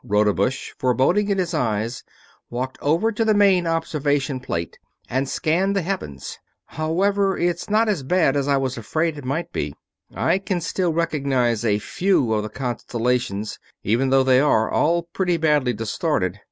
Rodebush, foreboding in his eyes, walked over to the main observation plate and scanned the heavens. "However, it's not as bad as I was afraid it might be. I can still recognize a few of the constellations, even though they are all pretty badly distorted.